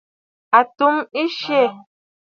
A tum ɨtsə̀ʼə̀.